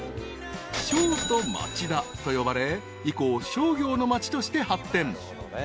［商都まちだと呼ばれ以降商業の町として発展］